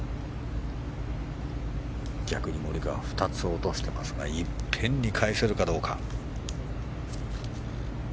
逆にモリカワは２つ落としていますがいっぺんに返せるかどうか。